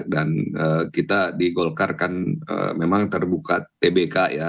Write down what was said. kita di golkar kan memang terbuka tbk ya